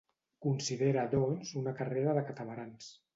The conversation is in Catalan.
Considera doncs una carrera de catamarans.